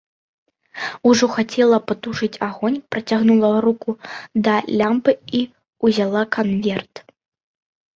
Ужо хацела патушыць агонь, працягнула руку да лямпы і ўзяла канверт.